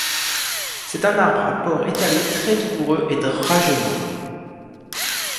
C'est un arbre à port étalé très vigoureux et drageonnant.